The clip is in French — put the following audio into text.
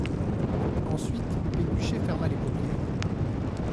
Ensuite Pécuchet ferma les paupières.